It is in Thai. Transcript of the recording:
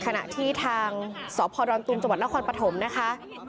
คณะที่ทางสศดรตุ๋มจละครปฐมนะคะ